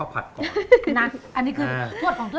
อันนี้คืออันนี้คือ